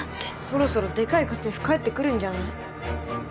そろそろでかい家政婦帰ってくるんじゃない？